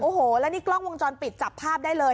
โอ้โหแล้วนี่กล้องวงจรปิดจับภาพได้เลย